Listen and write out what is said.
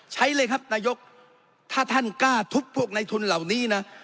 ใช้เลยครับนายกถ้าท่านกล้าทุบพวกในทุนเหล่านี้นะ